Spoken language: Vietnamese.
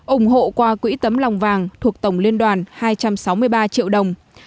ủng hộ qua quỹ tấm lòng vàng thuộc tổng liên đoàn hai trăm sáu mươi ba triệu đồng